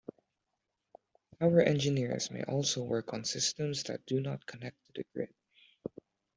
Power engineers may also work on systems that do not connect to the grid.